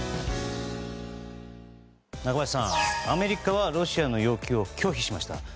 中林さん、アメリカはロシアの要求を拒否しました。